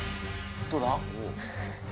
どうだ？